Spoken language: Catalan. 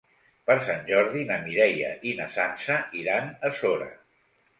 Per Sant Jordi na Mireia i na Sança iran a Sora.